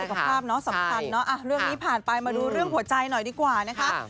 ภาพเนาะสำคัญเนอะเรื่องนี้ผ่านไปมาดูเรื่องหัวใจหน่อยดีกว่านะคะ